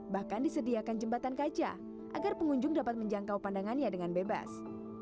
bahkan disediakan jembatan kaca agar pengunjung dapat menjangkau pandangannya dengan bebas